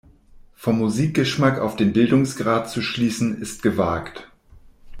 Vom Musikgeschmack auf den Bildungsgrad zu schließen, ist gewagt.